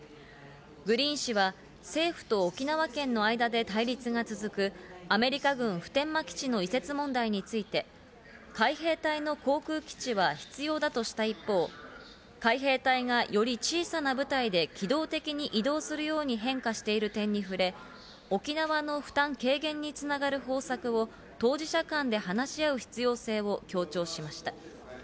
グリーン氏は政府と沖縄県の間で対立が続くアメリカ軍・普天間基地の移設問題について海兵隊の航空基地は必要だとした一方、海兵隊がより小さな部隊で機動的に移動するように変化している点に触れ、沖縄の負担軽減に繋がる方策を当事者間で話し合う必要性を強調しました。